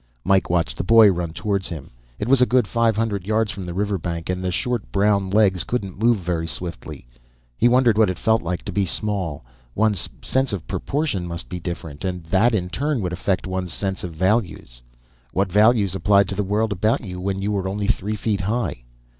Mike watched the boy run towards him. It was a good five hundred yards from the river bank, and the short brown legs couldn't move very swiftly. He wondered what it felt like to be small. One's sense of proportion must be different. And that, in turn, would affect one's sense of values. What values applied to the world about you when you were only three feet high?